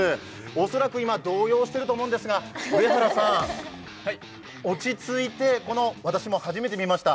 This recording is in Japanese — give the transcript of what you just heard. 恐らく今、動揺してると思うんですが上原さん、落ち着いて私も初めて見ました